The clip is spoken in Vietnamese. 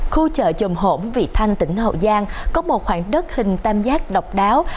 khu chợ chùm hổm vị thanh tỉnh hậu giang có một khoảng đất hình tam giác độc đáo